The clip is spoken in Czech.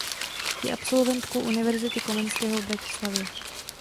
Je absolventkou Univerzity Komenského v Bratislavě.